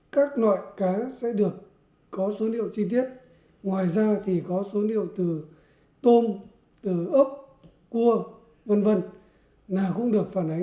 các loại cá sẽ được có số liệu chi tiết ngoài ra thì có số liệu từ tôm từ ốp cua v v là cũng được phản ánh